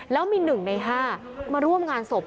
แล้วมี๑ใน๕มาร่วมงานศพ